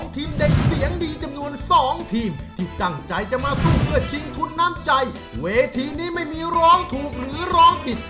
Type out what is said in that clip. ทีมที่ตั้งใจจะมาสู้เพื่อชิงทุนน้ำใจเวทีนี้ไม่มีร้องถูกหรือร้องผิด